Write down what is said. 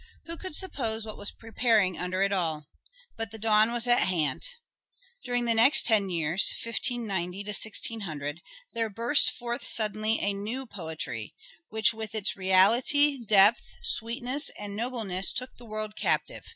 Who could suppose what was preparing under it all ? But the dawn was at hand." During the next ten years, 1590 1600, " there burst forth suddenly a new poetry, which with its reality, depth, sweetness, and nobleness took the world captive.